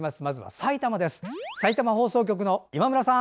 さいたま放送局の今村さん。